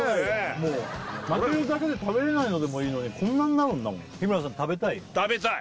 もう負けるだけで食べれないのでもいいのにこんなんなるんだもん日村さん食べたい？